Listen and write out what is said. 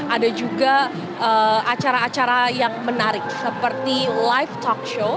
ada juga acara acara yang menarik seperti live talk show